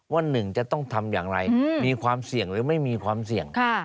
ว่าหนึ่งจะต้องทำอย่างไรมีความเสี่ยงหรือไม่มีความเสี่ยง